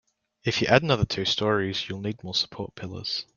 If you add another two storeys, you'll need more support pillars.